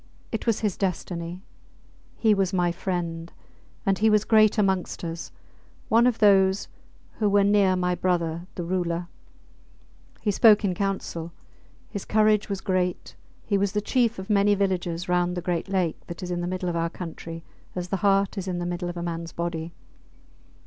It was his destiny. He was my friend. And he was great amongst us one of those who were near my brother, the Ruler. He spoke in council, his courage was great, he was the chief of many villages round the great lake that is in the middle of our country as the heart is in the middle of a mans body.